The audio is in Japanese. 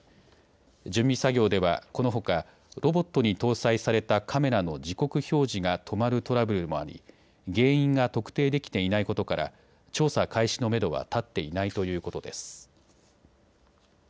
準備作業ではこのほかロボットに搭載されたカメラの時刻表示が止まるトラブルもあり原因が特定できていないことから調査開始のめどは立っていないということです。